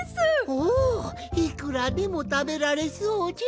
おいくらでもたべられそうじゃ。